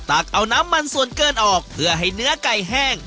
ตักเอาน้ำมันส่วนเกินออกเพื่อให้เนื้อไก่แห้ง